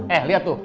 eh liat tuh